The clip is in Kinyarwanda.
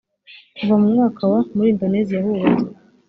kuva mu mwaka wa muri indoneziya hubatswe